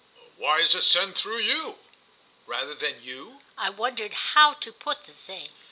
"Why is it sent through you?" "Rather than you?" I wondered how to put the thing.